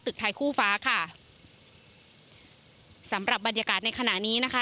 ไทยคู่ฟ้าค่ะสำหรับบรรยากาศในขณะนี้นะคะ